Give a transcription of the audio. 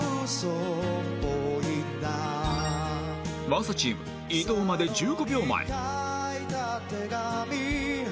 真麻チーム移動まで１５秒前